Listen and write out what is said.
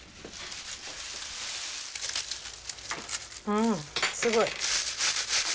うんすごい。